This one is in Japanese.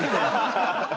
ハハハハ！